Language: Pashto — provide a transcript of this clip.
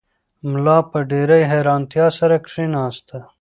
ملا په ډېرې حیرانتیا سره کښېناست.